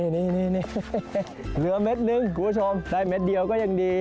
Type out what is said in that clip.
นี่เหลือเม็ดนึงคุณผู้ชมได้เม็ดเดียวก็ยังดี